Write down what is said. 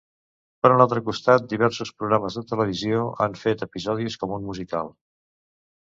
Per un altre costat, diversos programes de televisió han fet episodis com un musical.